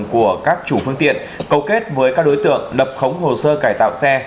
của các chủ phương tiện cầu kết với các đối tượng lập khống hồ sơ cải tạo xe